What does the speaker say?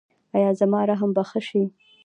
ایا زما رحم به ښه شي؟